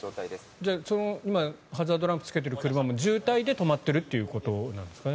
じゃあ、今ハザードランプつけている車も渋滞で止まっているということですかね。